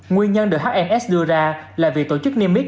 nguyên nhân được hns đưa ra là vì tổ chức niêm biết